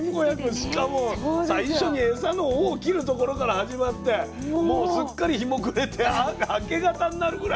しかも最初にエサの尾を切るところから始まってもうすっかり日も暮れて明け方になるぐらい。